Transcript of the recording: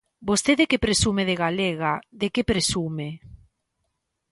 Vostede que presume de galega, de que presume?